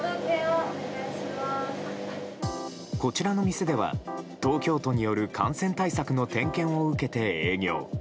こちらの店では東京都による感染対策の点検を受けて営業。